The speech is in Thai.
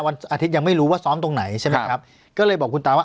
วันอาทิตย์ยังไม่รู้ว่าซ้อมตรงไหนใช่ไหมครับก็เลยบอกคุณตาว่า